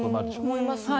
思いますね。